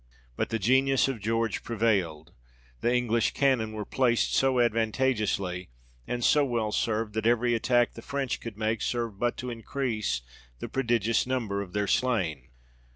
But the genius of George prevailed. The English cannon were placed so advantageously, and so well served, that every attack the French could make, served but to increase the prodigious number of their slain.